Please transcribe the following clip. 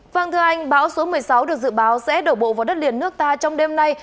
vâng thưa anh bão số một mươi sáu được dự báo sẽ đổ bộ vào đất liền nước ta trong đêm nay